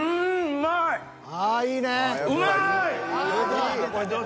「うまい！」